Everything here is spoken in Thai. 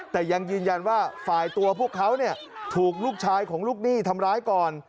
แต่ยังยืนยันว่าฝ่ายตัวพวกเขาถูกลูกชายของลูกหนี้ทำร้ายก่อน